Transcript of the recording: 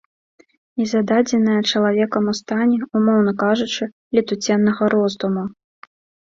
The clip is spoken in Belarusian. І зададзенае чалавекам у стане, умоўна кажучы, летуценнага роздуму.